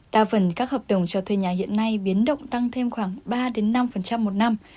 đa phần các hợp đồng cho thuê nhà hiện nay biến động tăng thêm khoảng ba năm một năm